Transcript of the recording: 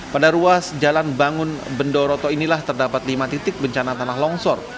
pada ruas jalan bangun bendoroto inilah terdapat lima titik bencana tanah longsor